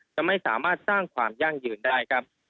จะไม่สามารถสร้างความยั่งยืนได้ครับ